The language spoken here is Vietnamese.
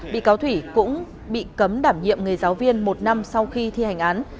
bị cáo thủy cũng bị cấm đảm nhiệm nghề giáo viên một năm sau khi thi hành án